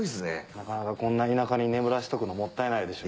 なかなかこんな田舎に眠らしとくのもったいないでしょ。